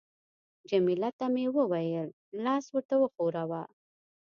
جميله ته مې وویل: لاس ورته وښوروه.